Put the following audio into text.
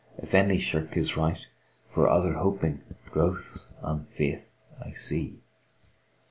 If any shirk his right * For other hoping, gross Unfaith I see."